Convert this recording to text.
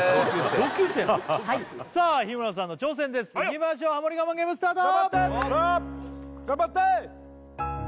はいさあ日村さんの挑戦ですいきましょうハモリ我慢ゲームスタート！